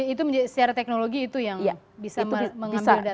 itu secara teknologi itu yang bisa mengambil data